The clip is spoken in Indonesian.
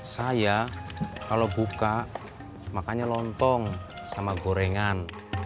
saya kalau buka makannya lontong sama gorengan